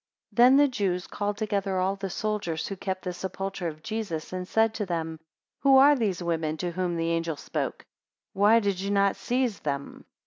7 Then the Jews called together all the soldiers who kept the sepulchre of Jesus, and said to them, Who are those women, to whom the angel spoke? Why did ye not seize them.